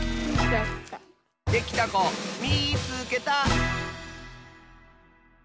できたこみいつけた！